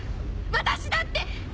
私だって！